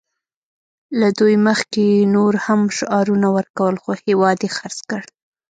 له دوی مخکې نورو هم شعارونه ورکول خو هېواد یې خرڅ کړ